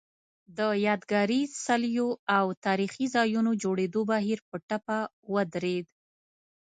د یادګاري څلیو او تاریخي ځایونو جوړېدو بهیر په ټپه ودرېد